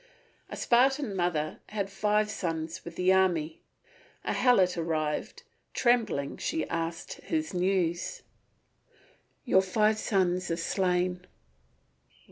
A Spartan mother had five sons with the army. A Helot arrived; trembling she asked his news. "Your five sons are slain."